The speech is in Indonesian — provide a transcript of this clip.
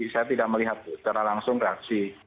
saya tidak melihat secara langsung reaksi